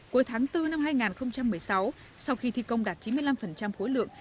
cuối tháng bốn năm hai nghìn một mươi sáu sau khi thi công đạt chín mươi năm khối lượng